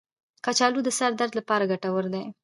کچالو د سر درد لپاره ګټور دی.